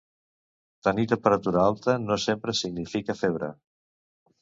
Tenir temperatura alta no sempre significa febre.